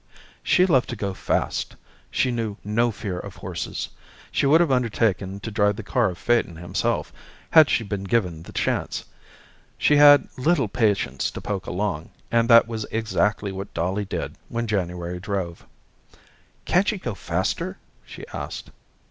She loved to go fast. She knew no fear of horses. She would have undertaken to drive the car of Phaeton, himself, had she been given the chance. She had little patience to poke along, and that was exactly what Dolly did when January drove. "Can't she go faster?" she asked.